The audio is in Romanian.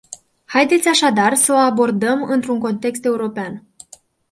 Haideți așadar să o abordăm într-un context european.